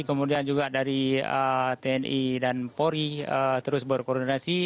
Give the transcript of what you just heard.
kemudian juga dari tni dan polri terus berkoordinasi